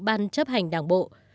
ban chấp hành đảng bộ